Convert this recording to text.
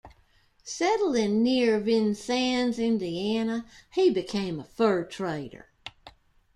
Settling near Vincennes, Indiana, he became a fur trader.